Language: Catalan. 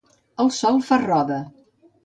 El sol fa roda.